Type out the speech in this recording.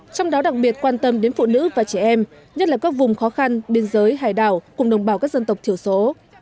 trong đó đặc biệt quan tâm đến phụ nữ và trẻ em nhất là các vùng khó khăn biên giới hải đảo cùng đồng bào các dân tộc thiểu số